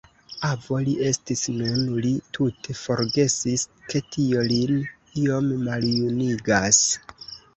Avo li estis nun; li tute forgesis, ke tio lin iom maljunigas.